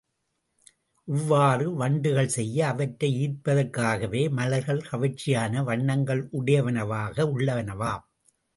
இவ்வாறு வண்டுகள் செய்ய அவற்றை ஈர்ப்பதற்காகவே, மலர்கள் கவர்ச்சியான வண்ணங்கள் உடையனவாக உள்ளனவாம்.